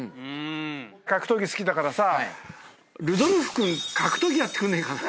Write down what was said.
格闘技好きだからさルドルフ君格闘技やってくんねえかな。